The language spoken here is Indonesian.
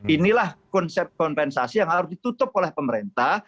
inilah konsep kompensasi yang harus ditutup oleh pemerintah